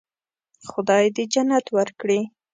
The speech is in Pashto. خدای دې جنت ورکړي.